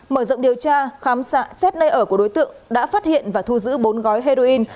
mở rộng điều tra khám xét nơi ở của đối tượng đã phát hiện và thu giữ bốn gói heroin